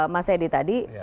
mas edi tadi